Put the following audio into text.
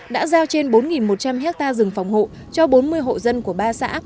đã giao trên bốn một trăm linh hectare rừng phòng hộ cho bốn mươi hộ dân của ba xã